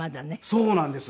そうなんですね。